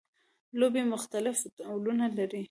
لوبیې مختلف ډولونه لري